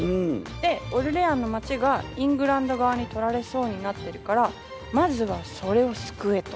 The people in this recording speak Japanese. でオルレアンの街がイングランド側に取られそうになってるからまずはそれを救えと。